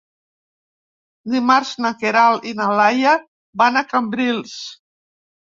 Dimarts na Queralt i na Laia van a Cambrils.